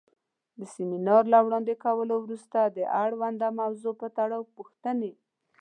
د سمینار له وړاندې کولو وروسته د اړونده موضوع پۀ تړاؤ پوښتنې